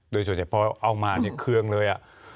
โดยส่วนใหญ่เพราะเอามาเครื่องเลย